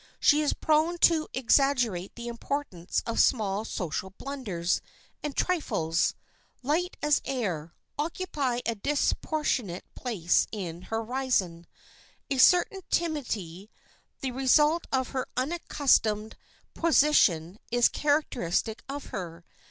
She is prone to exaggerate the importance of small social blunders, and trifles, light as air, occupy a disproportionate place in her horizon. A certain timidity, the result of her unaccustomed position, is characteristic of her.